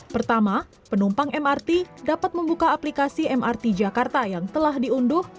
pertama penumpang mrt dapat membuka aplikasi mrt jakarta yang telah diunduh